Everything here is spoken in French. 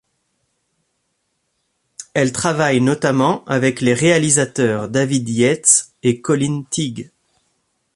Elle travaille notamment avec les réalisateurs David Yates et Colin Teague.